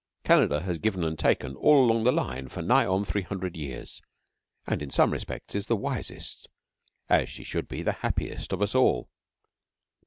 Canada has given and taken all along the line for nigh on three hundred years, and in some respects is the wisest, as she should be the happiest, of us all.